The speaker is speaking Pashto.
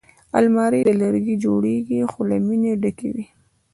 الماري له لرګي جوړېږي خو له مینې ډکې وي